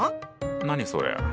何それ？